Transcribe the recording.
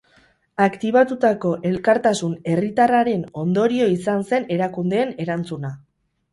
Aktibatutako elkartasun herritarraren ondorio izan zen erakundeen erantzuna.